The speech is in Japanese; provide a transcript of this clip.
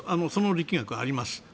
その力学はあります。